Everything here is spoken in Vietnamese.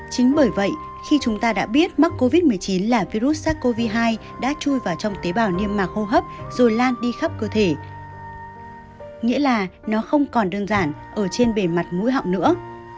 chính bởi vậy khi chúng ta đã biết mắc covid một mươi chín là virus sars cov hai đã chui vào trong tế bào niêm mạc hô hấp rồi lan đi khắp cơ thể nghĩa là nó không còn đơn giản ở trên bề mặt mũi họng nữa